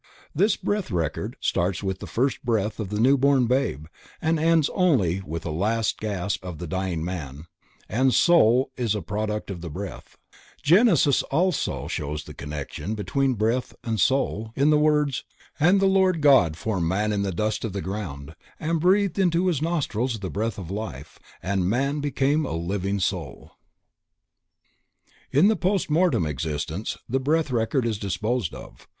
This breath record starts with the first breath of the newborn babe and ends only with the last gasp of the dying man, and "soul" is a product of the breath. Genesis also shows the connection between breath and soul in the words: "And the Lord God formed man of the dust of the ground, and breathed into his nostrils the breath of life; and man became a living soul" (The same word: nephesh, is translated breath and soul in the above quotation.) In the post mortem existence the breath record is disposed of.